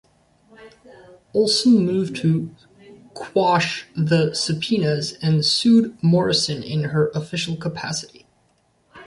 Olson moved to quash the subpoenas and sued Morrison in her official capacity.